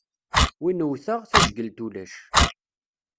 Win wwteɣ, tazgelt ulac.